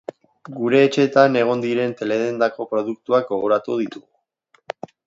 Gure etxeetan egon diren teledendako produktuak gogoratu ditugu.